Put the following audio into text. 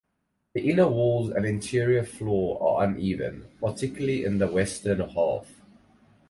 The inner walls and interior floor are uneven, particularly in the western half.